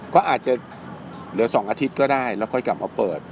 ก็อาจจะเหลือ๒อาทิตย์ก็ได้แล้วค่อยกลับมาเปิด